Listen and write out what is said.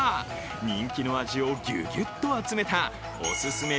人気の味をギュギュッと集めたオススメ